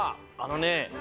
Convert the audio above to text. あのね